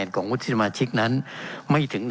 เป็นของสมาชิกสภาพภูมิแทนรัฐรนดร